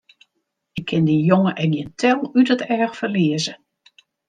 Ik kin dy jonge ek gjin tel út it each ferlieze!